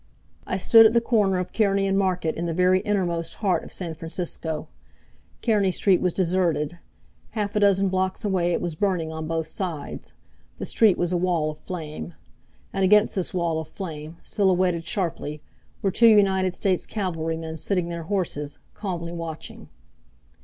I stood at the corner of Kearny and Market, in the very innermost heart of San Francisco. Kearny Street was deserted. Half a dozen blocks away it was burning on both sides. The street was a wall of flame. And against this wall of flame, silhouetted sharply, were two United States cavalrymen sitting their horses, calming watching.